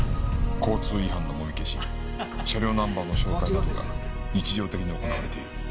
交通違反のもみ消し車両ナンバーの照会などが日常的に行われている。